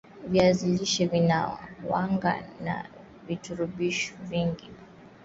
viazi lishe vina wanga na virutubishi vingine vin